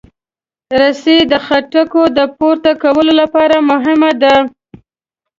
رسۍ د خټکو د پورته کولو لپاره مهمه ده.